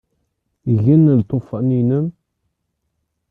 Igen Lṭufan-inem?